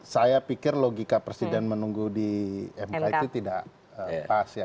saya pikir logika presiden menunggu di mk itu tidak pas ya